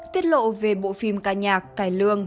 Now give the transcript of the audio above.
tiết lộ về bộ phim ca nhạc cài lương